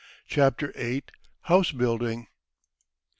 CHAPTER VIII. HOUSE BUILDING.